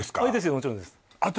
もちろんです私